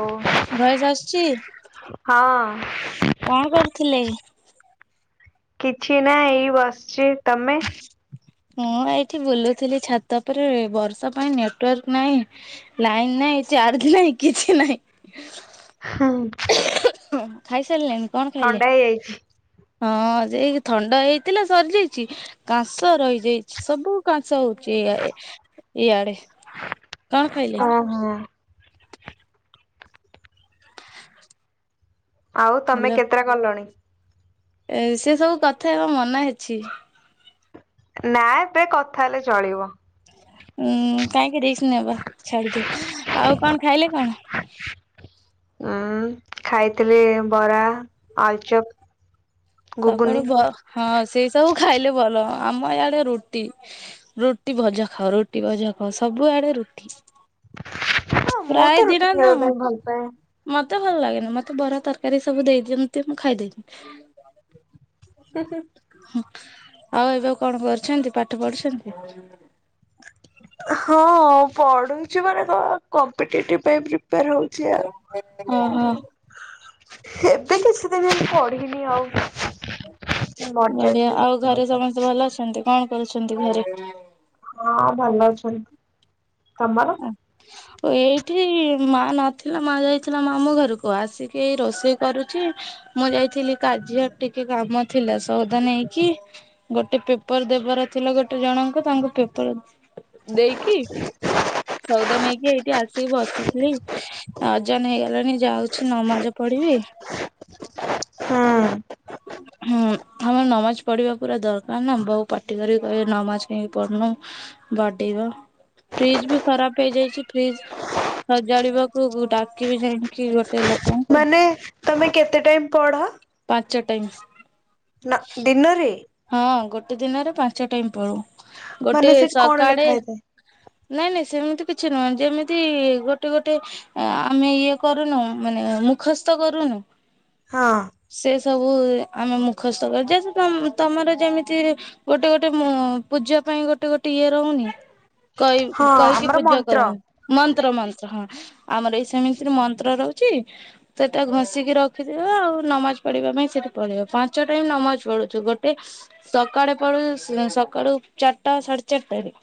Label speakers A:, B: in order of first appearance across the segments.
A: ଓ
B: ଭୟସ ଆସୁଛି।
A: ହଁ।
B: କଣ କରୁଥିଲେ?
A: କିଛି ନାଇଁ ଏଇ ବସିଛି। ତମେ
B: ମୁଁ ଏଇଠି ବୁଲୁଥିଲି ଛାତ ପରେ ବର୍ଷା ପାଇଁ ନେଟୱାର୍କ ନାହିଁ। ନାଇନ ନାହିଁ ଚାର୍ଜ ନାହିଁ କିଛି ନାହିଁ।
A: [inaudible]
B: ଖାଇସାରିଲେଣି କଣ ଖାଇଲେ?
A: ହେଇଯାଇଛି।
B: ହଁ ଯେ ଥଣ୍ଡା ହେଇଥିଲା ସରିଯାଇଛି କାସ ରହିଯାଇଛି ସବୁ କାସ ହଉଛି ଇଆଡେ। କଣ ଖାଇଲେ?
A: ଓହୋ ଆଉ ତମେ କେତେଟା କଲଣି?
B: ଏ ସେ ସବୁ କଥା ହେଵା ମନା ଅଛି।
A: ନା ଏବେ କଥା ହେଲେ ଚଳିବ।
B: ଉଁ କାହିଁକି ରିକ୍ସ ନେବା ଛାଡିଦିଅ ଆଉ କଣ ଖାଇଲେ କଣ?
A: ଉଁ ଖାଇଥିଲି ବରା, ଆଳୁଚପ।
B: ସକାଳୁ
A: ଘୁଗୁନି।
B: ଭ ହଁ ସେଇ ସବୁ ଖାଇଲେ ଭଲ ଆମ ଇଆଡେ ରୁଟି ରୁଟି ଭଜା ଖାଅ ରୁଟି ଭଜା ଖାଅ ସବୁଆଡେ ରୁଟି।
A: ହଁ ମୁଁ
B: ପ୍ରାଏ
A: ତ ରୁଟି
B: ଦିନତ
A: ଖାଇବା ପାଇଁ ଭଲ ପାଏ।
B: ମତେ ଭଲ ଲାଗେନି ମତେ ବରା ତରକାରୀ ସବୁ ଦେଇଦିଅନ୍ତେ ମୁଁ ଖାଇ ଦେବି।
A: [inaudible]
B: ଆଉ ଏବେ ଆଉ କଣ କରୁଛନ୍ତି ପାଠ ପଢୁଛନ୍ତି?
A: ହଁ ପଢୁଛି ମାନେ କଣ କଂପିଟେଟିଭ ପାଇଁ ପ୍ରିପାର ହଉଛି। ଆଉ।
B: ହଁ ହଁ।
A: ଏବେ କିଛି ଦିନ ପଢିନି ଆଉ।
B: ବଢିଆ
A: ମରିଯାଇଥିଲି
B: ଆଉ
A: ଯାଇଥିଲି
B: ଘରେ
A: କୁଆଡେ।
B: ସମସ୍ତେ ଭଲ ଅଛନ୍ତି କଣ କରୁଛନ୍ତି ଘରେ?
A: ହଁ ଭଲ ଅଛନ୍ତି ତମର।
B: [inaudible] ଏଇଠି ମା ନଥିଲା ମା ଯାଇଥିଲା ମାମୁଁ ଘରକୁ ଆସିକି ଏଇ ରୋଷେଇ କରୁଛି। ମୁଁ ଯାଇଥିଲି କାଜି ହାଟ ଟିକେ କାମ ଥିଲା ସଉଦା ନେଇକି। ଗୋଟେ ପେପର୍ ଦେବାର ଥିଲା ଗୋଟେ ଜଣଙ୍କ ତାଙ୍କୁ ପେପର୍ ଦେଇକି ସଉଦା ନେଇକି ଏଇଠି ଆସିକି ବସିଥିଲି। ଆଜାନ ହେଇଗଲାଣି ଯାଉଛି ନମାଜ ପଢିବି। ହଁ।
A: ହୁଁ
B: ହୁଁ, ଆମର ନମାଜ ପଢିବା ପୁରା ଦରକାର ନା ବୋଉ ପାଟି କରି କହେ ନମାଜ କାହିଁକି ପଢ଼ୁନୁ। ବାଡେଇବ ଫ୍ରିଜ୍ ବି ଖରାପ ହେଇଯାଇଛି ଫ୍ରିଜ୍ ସଜାଡିବାକୁ ଗୁ-ଡାକିବି ଯାଇକି ଗୋଟେ ଲୋ
A: ମାନେ ତୋମେ କେତେ ଟାଇମ୍ ପଢ?
B: ପାଞ୍ଚ ଟାଇମ୍।
A: ନା ଦିନରେ?
B: ହଁ ଗୋଟେ ଦିନରେ ପାଞ୍ଚ ଟାଇମ୍ ପଡୁ। ଗୋଟେ
A: ମାନେ ସେଠି କଣ ଲେଖା
B: ସକାଳେ
A: ହେଇଥାଏ?
B: ନାଇଁ ନାଇଁ ସେମିତି କିଛି ନୁହଁ। ଯେମିତି ଗୋଟେ ଗୋଟେ ଅ, ଆମେ ଇଏ କରୁନୁ ମାନେ ମୁଖସ୍ଥ କରୁନୁ।
A: ହଁ।
B: ସେ ସବୁ ଆମେ ମୁଖସ୍ଥ କରି [unintelligible] ସେ ତୋମ ତୋମର ଯେମିତି ଗୋଟେ ଗୋଟେ ମୋ-ପୂଜା ପାଇଁ ଗୋଟେ ଗୋଟେ ଇଏ ରହୁନି। କଇ
A: ହଁ
B: କହିକି
A: ଆମର
B: ପୂଜା
A: ମନ୍ତ୍ର
B: କରନ୍ ମନ୍ତ୍ର ମନ୍ତ୍ର ହଁ ଆମର ଏଇ ସେମିତିରେ ମନ୍ତ୍ର ରହୁଛି। ସେଟା ଘଷିକି ରଖିଥିବ ଆଉ ନମାଜ ପଢ଼ିବା ପାଇଁ ସେଠି ପଳିବ ପାଞ୍ଚ ଟାଇମ୍ ନମାଜ ପଢ଼ୁଛୁ। ଗୋ ଟେ ସକାଡେ ପଢୁଚୁ ସୁଁ, ସକାଳୁ ଚାଟା ସାଢେ ଚାରଟାରେ।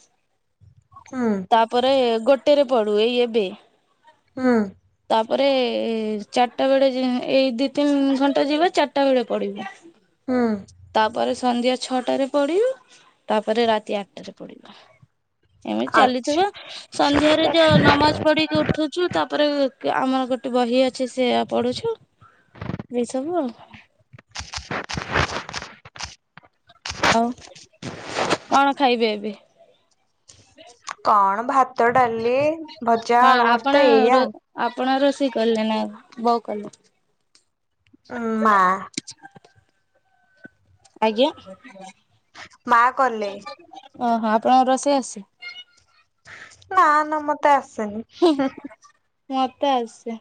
A: ହଁ।
B: ତାପରେ ଗୋଟେରେ ପଡୁ ଏଇ ଏବେ।
A: ହଁ।
B: ତାପରେ ଚାଟା ବେଳେ ଯି ଏଇ ଦି ତିନି ଘଣ୍ଟା ଯିବ ଚାଟା ବେଳେ ପଢିବୁ।
A: ହୁଁ
B: ତାପରେ ସନ୍ଧ୍ୟା ଛଅଟାରେ ପଢିବ। ତାପରେ ରାତି ଆଟାରେ ପଡିବା। ଏମିତି
A: ଆଚ୍ଛା।
B: ଚାଲିଥିବ ସନ୍ଧ୍ୟାରେ ଯୋଉ ନମାଜ ପଢିକି ଉଠୁ ଚୁ ତାପରେ କେ-ଆମର ଗୋଟେ ବହି ଅଛି ସେୟା ପଢୁଛୁ। ଏଇ ସବୁ ଆଉ କଣ। ଆଉ କଣ ଖାଇବେ ଏବେ?
A: କଣ ଭାତ, ଡାଲି, ଭଜା,
B: କଣ
A: ଆଳୁ
B: ଆପଣ
A: ଭର୍ତା
B: ରୋ
A: ଏଇଆ।
B: ଆପଣ ରୋଷେଇ କଲେ ନା ବୋଉ କଲେ?
A: ଉଁ, ମା।
B: ଆଜ୍ଞା ଓହୋ,
A: ମା କଲେ
B: ଆପଣଙ୍କ ରୋଷେଇ ଆସେ
A: ନା ନା ମୋତେ ଆସେନି।
B: ହିଁ, ମୋତେ ଆସେ।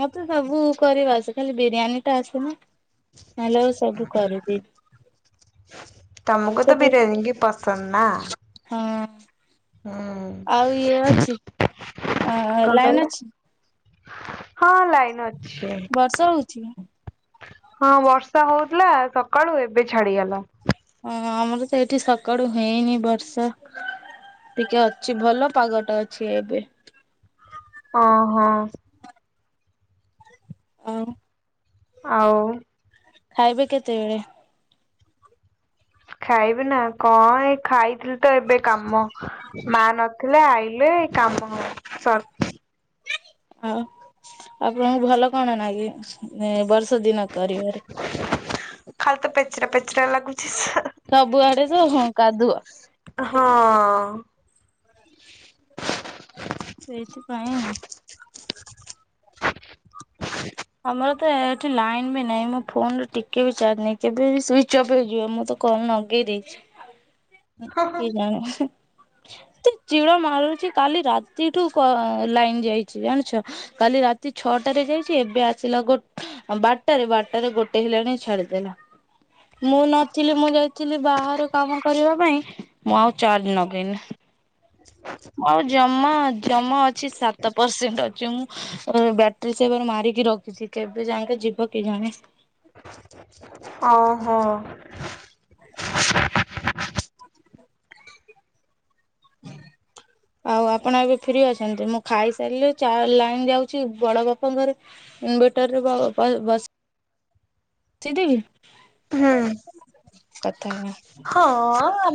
B: ମୋତେ ସବୁ କରିବା ଆସେ। ଖାଲି ବିରିୟାନୀ ଟା ଆସେନା। ତାହେଲେ ଓ ସବୁ କରଦିିଏ।
A: ତୋମକୁ ତ ବିରିୟାନୀ କି ପସନ୍ଦ ନା?
B: ହଁ,
A: ହୁଁ
B: ଆଉ ଇଏ ଅଛି ଅ,
A: କଣ କହିଲ?
B: ଲାଇନ୍ ଅଛି?
A: ହଁ ଲାଇନ୍ ଅଛି।
B: ବର୍ଷା ହଉଛି?
A: ହଁ ବର୍ଷା ହଉଥିଲା ସକାଳୁ ଏବେ ଛାଡିଗଲା।
B: ହଁ ଆମର ତ ଏଇଠି ସକାଳୁ ହେଇନି ବର୍ଷା। ଟିକେ ଅଛି ଭଲ ପାଗଟା ଅଛି ଏବେ।
A: ଅଁ, ହଁ।
B: ଆଉ
A: ଆଉ।
B: ଖାଇବେ କେତେବେଳେ।
A: ଖାଇବି ନା କଣ ଏ ଖାଇଥିଲି ତ ଏବେ କାମ ମା ନଥିଲେ ଆଇଲେ ଏ କାମ ସର
B: ହଉ ଆପଣଙ୍କୁ ଭଲ କଣ ନ କି ବର୍ଷ ଦିନ କରିବାରେ।
A: ଖାଲ ତ ପେଚରା ପେଚରା ଲାଗୁଛି।
B: ସବୁଆଡେ ତ ହଁ କାଦୁଅ।
A: ହଁ।
B: ସେଇଥିପାଇଁ। ଆମର ତ ଏଠି ଲାଇନ୍ ବି ନାହିଁ ମୋ ଫୋନ ଟିକେ ବି ଚାର୍ଜ ନାହିଁ କେବେ ସୁଇଚ ଅଫ୍ ହେଇଯିବ ମୁଁ ତ କଣ ଲଗେଇ ଦେଇଛି କି ଜଣ ଚିଡ଼ ମାରୁଛି କାଲି ରାତିଠୁ କ ଲାଇନ୍ ଯାଇଛି ଜାଣିଛ। କାଲି ରାତି ଛଅଟାରେ ଯାଇଛି ଏ ଏବେ ଆସିଲା ଗ ବାରଟାରେ ବାରଟାରେ ଗୋଟେ ହେଲାଣି ଛାଡିଦେଲା। ମୁଁ ନଥିଲି ମୁଁ ଯାଇଥିଲି ବାହାରୁ କାମ କରିବା ପାଇଁ ମୁଁ ଆଉ ଚାର୍ଯ ଲଗେଇନି।
A: ଆ
B: ଆଁ ଜମା ଜମା ଅଛି ସାତ ପରସେଣ୍ଟ ଅଛି ମୁଁ ବ୍ୟାଟେରୀ ସେବାରୁ ମାରିକି ରଖିଛି କେବେ ଯାଇକ ଯିବ କି ଜଣେ।
A: ଓ ହୋ।
B: ହୁଁ ଆଉ ଆପଣ ଏବେ ଫ୍ରି ଅଛନ୍ତି ମୁଁ ଖାଇସାରିଲି ଚା ଲାଇନ୍ ଯାଉଛି ବଡ ବାପାଙ୍କରେ ଇନଭେଟରରେ ବ ବ ବସ ସିଦ୍ଧିିବି
A: ହୁଁ।
B: କଥା ହେ
A: ହଁ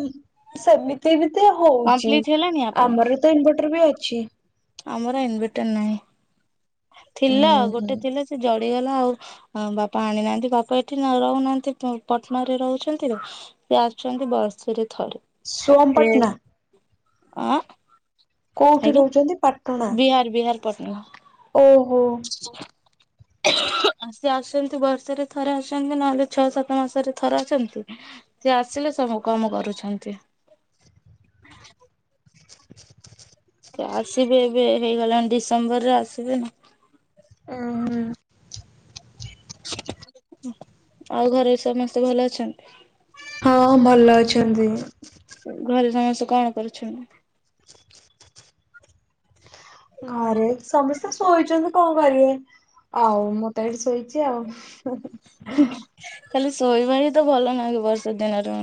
A: ସେମିତି ବି ତ ହଉଛି
B: କମ୍ପ୍ଲିଟ ହେଲାଣି ଆପଣଙ୍କ
A: ଆମର ତ ତ ଇନଭର୍ଟର ବି ଅଛି।
B: ଆମର ଇନଭେଟର ନାହିଁ ଥିଲା
A: ହୁଁ ହୁଁ
B: ଗୋଟେ ଥିଲା ସେ ଜଳିଗଲା ଆଉ ଆ ବାପା ଆଣିନାହାନ୍ତି ବାପା ଏଠି ରହୁନାହାନ୍ତି ପଟନା ରେ ରହୁଛନ୍ତି ତ ସେ ଆସୁଛନ୍ତି ବର୍ଷରେ ଥରେ।
A: ସୋମପଟନା
B: ଆ
A: କୋଉଠି ରହୁଛନ୍ତି ପା
B: ବିହାର ବିହାର ପଟନା
A: ଓହୋ।
B: [inaudible] ଆ ସେ ଆସନ୍ତି ବର୍ଷରେ ଥରେ ଆସନ୍ତି ନହେଲେ ଛଅ ସାତ ମାସରେ ଥରେ ଆସନ୍ତି। ସେ ଆସିଲେ ସବୁ କାମ କରୁଛନ୍ତି। ଆସିବେ ଏବେ ହେଇଗଲାଣି ଡିସେମ୍ବର ରେ ଆସିବେ ନା
A: ଓଁ ହୁ।
B: ଆଉ ଘରେ ସମସ୍ତେ ଭଲ ଅଛନ୍ତି।
A: ହଁ ଭଲ ଅଛନ୍ତି।
B: ଘରେ ସମସ୍ତେ କଣ କରୁଛନ୍ତି?
A: ଘରେ ସମସ୍ତେ ଶୋଇଛନ୍ତି କଣ କରିବେ? ଆଉ ମୁ ତ ଏଇଠି ଶୋଇଛି ଆଉ
B: ଖାଲି ଶୋଇବା ହି ତ ଭଲ ନାଁ ବର୍ଷା ଦିନରୁ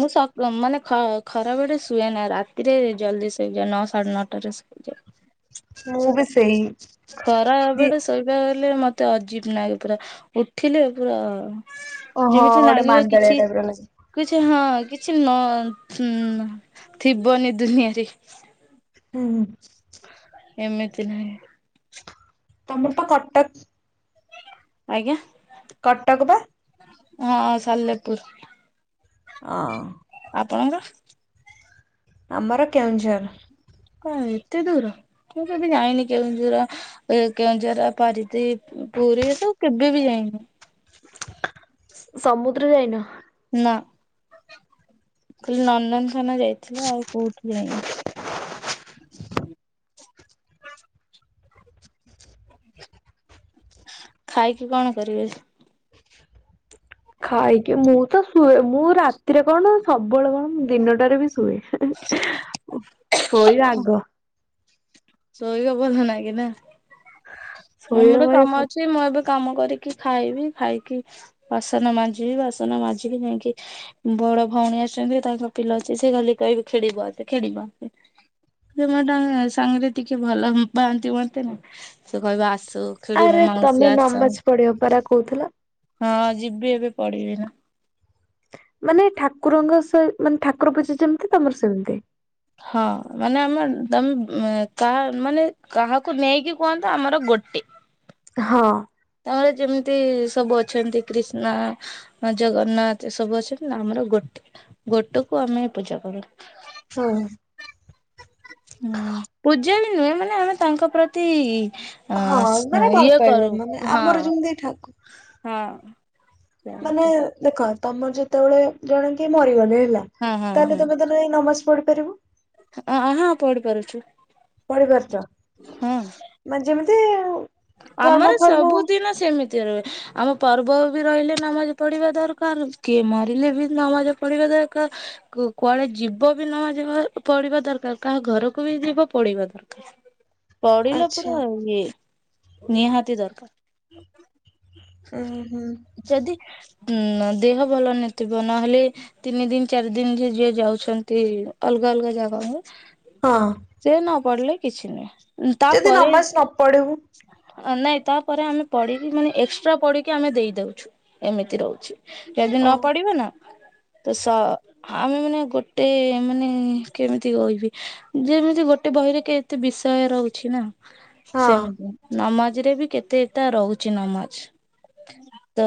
B: ମୁଁ ମାନେ ଖରାବେଳେ ଶୁଏନା ରାତିରେ ଜଲଦି ସୋଏ ନଅ ସାଢେ ନଅଟାରେ ଆଚ୍ଛା।
A: ମୁଁ ବି ସେଇ ଦି
B: ଖରାବେଳେ ଶୋଇବା ଗଲେ ମତେ ଅଜୀବ ଲାଗେ ପୁରା ଉଠିଲେ ପୁରା
A: ଓହୋ
B: ଯେମିତି
A: ଗୋଟେ
B: ଲାଗିବ
A: ମାନ୍ଦାଳିଆ
B: କିଛି
A: ଟାଇପର ଲାଗେ।
B: କିଛି ହଁ କିଛି ନ ଥିବନି ଦୁନିଆରେ
A: ହୁଁ।
B: ଏମିତି ନାହିଁ।
A: ତମେତ କଟକ
B: ଆଜ୍ଞା।
A: କଟକ ପା
B: ହଁ ସାଲେପୁର।
A: ହଁ।
B: ଆପଣଙ୍କର
A: ଆମର କେଉଁଝର।
B: ହଁ ଏତେ ଦୂର ମୁଁ ଯଦି ଯାଇନି କେଉଁଝର ଏ କେଉଁଝର ପାରିତ୍ରୀ ପୁରୀ ଏ ସବୁ କେବେ ବି ଯାଇନି?
A: ସମୁଦ୍ର ଯାଇନ?
B: ନା ଖାଲି ନନ୍ଦନଖାନା ଯାଇଥିଲି ଆଉ କୋଉଠି ଯାଇନି। ଖାଇକି କଣ କରିବେ?
A: ଖାଇକି ମୁଁ ତ ଶୁଏ ମୁଁ ରାତିରେ କଣ ସବୁବେଳେ କଣ ମୁଁ ଦିନଟାରେ ବି ଶୁଏ। ସୋଇବା ଆଗ।
B: ଶୋଇବା ଭଲ ନାଇଁ
A: ଶୋଇବା
B: ଆମର କାମ
A: ପାଇଁ
B: ଅଛି ମୁଁ ଏବେ କାମ କରିକି ଖାଇବି ଖାଇକି ବାସନ ମାଜିବି ବାସନ ମାଜିକି ଯାଇକି ବଡ ଭଉଣୀ ଆସିଛନ୍ତି ତାଙ୍କ ପିଲା ଅଛି ସେ ଖାଲି କହିବେ ଖେଳିବେ ଖେଳିବ‌ଆସେ ସେ ମ ସାଙ୍ଗରେ ଟିକେ ଭଲ ପାଆନ୍ତି ମତେ ନା ସେ କହିବ ଆସୁ
A: ଆରେ ତମେ ନମାଜ ପଢିବା ପରା କହୁଥିଲ।
B: ହଁ ଯିବି ଏବେ ପଢିବି ବା।
A: ମାନେ ଠାକୁରଙ୍କ ସହି ମାନେ ଠାକୁର ପୂଜା ଯେମିତି ତମର ସେମିତି
B: ହଁ ମାନେ ଆମ ତମେ କାହା ମାନେ କାହାକୁ ନେଇକି କୁହନ୍ତୁ ଆମର ଗୋଟେ
A: ହଁ।
B: ତାପରେ ଯେମିତି ସବୁ ଅଛନ୍ତି କ୍ରିଷ୍ଣା ଜଗନ୍ନାଥ ଏ ସବୁ ଅଛି ଆମର ଗୋଟେ ଗୋଟେକୁ ଆମେ ପୂଜା କରୁ।
A: ହଁ।
B: ହୁଁ ପୂଜାରି ନୁହେଁ ମାନେ ଆମେ ତାଙ୍କ ପ୍ରତି ହଁ
A: ମାନେ ଭଲ
B: ଇଏ
A: ପାଇବା
B: କରୁ
A: ମାନେ
B: ହଁ
A: ଆମର ଯେମିତି ଠାକୁ
B: ହଁ।
A: ମାନେ
B: [unintelligible]
A: ଦେଖ ତମର ଯେତେବେଳେ ଜଣେ କିଏ ମରିଗଲେ ହେଲା
B: ହଁ ହଁ
A: ତାହେଲେ ତମେ ତମେ ଏ ନମାଜ ପଢିପାରିବ?
B: ଅ ହଁ ପଢିପାରୁଛୁ।
A: [inaudible] ମାନେ ଯେମିତି କର୍ମ
B: ଆମର
A: ଫର୍ମ
B: ସବୁଦିନ ସେମିତି ରହେ ଆମ ପର୍ବ ବି ରହିଲେ ନମାଜ ପଢିବା ଦରକାର କିଏ ମରିଲେ ବି ନମାଜ ପଢିବା ଦରକାର୍। କୁ କୁଆଡେ ଯିବ ବି ନ ଯିବା ପଡିବା ଦରକାର କାହା ଘରକୁ ବି ଯିବ ପଡିବା ଦରକାର। ପଢିଲା
A: ଆଚ୍ଛା
B: ପୁରା ଇଏ ନିହାତି
A: ଉଁ ହୁଁ
B: ଦରକାର ଯଦି ହୁଁ ଦେହ ଭଲ ନଥିବ ନହେଲେ ତିନି ଦିନ ଚାରି ଦିନ ଯିଏ ଯିଏ ଯାଉଛନ୍ତି ଅଲଗା ଅଲଗା ଜାଗାକୁ
A: ହଁ।
B: ସେ ନ ପଡିଲେ କିଛି ନୁହେଁ ଉଁ
A: ଯଦି
B: ତାପରେ
A: ନମାଜ ନ ପଢୁ
B: ନାଇଁ ତାପରେ ଆମେ ପିଡିକି ମାନେ ଏକ୍ସଟ୍ରା ପଢିକି ଆମେ ଦେଇ ଦଉଚୁ ଏମିତି ରହୁଚି। ଯଦି
A: ଓ
B: ନ ପଡିବ ନା ତ ସ ଆମେ ମାନେ ଗୋଟେ ମାନେ କେମିତି କହିବି ଯେମିତି ଗୋଟେ ବହିରେ କେତେ ବିଷୟ ରହୁଚି ନା
A: ହଁ
B: ସେମିତି। ନମାଜ ରେ ବି କେତେଟା ରହୁଚି ନମାଜ। ତ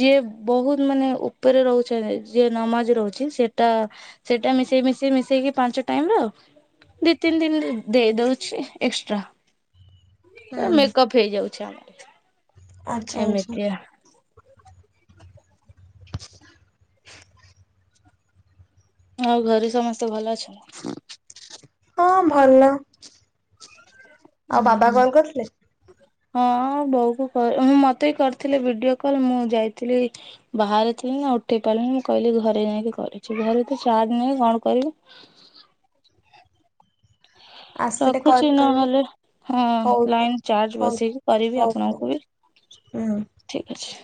B: ଯିଏ ବହୁତ ମାନେ ଉପରେ ରହୁଚନ୍ତି ଯିଏ ନମାଜ ରହୁଚି ସେଟା ସେଇଟା ମିଶେଇ ମିଶେଇ ମିଶେଇକି ପାଞ୍ଚ ଟାଇମ୍ ର ଦି ତିନି ଦିନ ଦେଇ ଦଉଚି ଏକ୍ସଟ୍ରା। ପୁରା
A: ହୁଁ
B: ମେକଅପ୍ ହେଇଯାଉଚି
A: ଆଚ୍ଛା
B: ଆମର
A: ଆଚ୍ଛା
B: ଏମିତିଆ। ଆଉ ଘରେ ସମସ୍ତେ ଭଲ ଅଛନ୍ତି?
A: ହଁ ଭଲ। ଆଉ
B: ଉଁ
A: ବାବା
B: ହୁଁ।
A: କଲ୍ କରିଥିଲେ
B: ହଁ ବୋଉକୁ କ ହଁ ମତେ ବି କରିଥିଲେ ଭିଡିଓ କଲ ମୁଁ ଯାଇଥିଲି ବାହାରେଥିଲି ନା ଉଠେଇ ପାରିଲଣିି ମୁଁ କହିଲି ଘରେ ଯାଇଁକି କରିଚି ଘରେ ତ ଚାର୍ଜ ନାହିଁ କଣ କରିବୁ
A: ଆସିଲେ କଲ
B: ରଖୁଛି
A: କରିବୁ
B: ନହେଲେ ହଁ
A: ହଉ
B: ଲାଇନ ଚାର୍ଜ
A: ହଉ
B: ବସେଇକି
A: ହଉ ହଉ। ହୁଁ।
B: ଠିକ୍ ଅଛି।